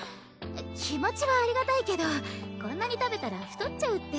気持ちはありがたいけどこんなに食べたら太っちゃうって。